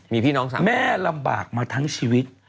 มีพี่น้อง๓แม่ลำบากมาทั้งชีวิต